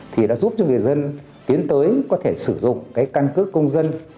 thì đã giúp cho người dân tiến tới có thể sử dụng cái căn cước công dân